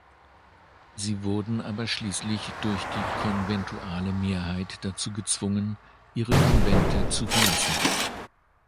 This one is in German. Sie wurden aber schließlich durch die konventuale Mehrheit dazu gezwungen, ihre Konvente zu verlassen.